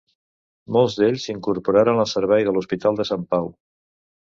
Molts d'ells s'incorporaren al servei de l'Hospital de Sant Pau.